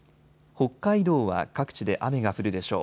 北海道は各地で雨が降るでしょう。